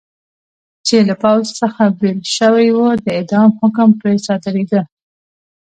چې له پوځ څخه بېل شوي و، د اعدام حکم پرې صادرېده.